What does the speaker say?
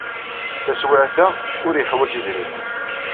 Taswiɛt-a, ur yeḥwaj idrimen.